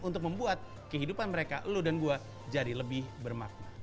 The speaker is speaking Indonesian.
untuk membuat kehidupan mereka lo dan gua jadi lebih bermakna